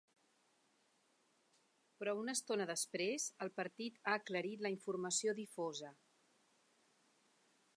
Però una estona després, el partit ha aclarit la informació difosa.